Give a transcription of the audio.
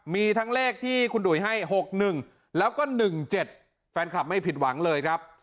มีทั้งเลขที่คุณดุ่ยให้๖๑แล้วก็๑๗แฟนคลับไม่ผิดหวังเลยครับ